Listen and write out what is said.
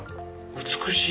美しい。